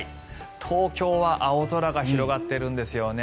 東京は青空が広がっているんですよね。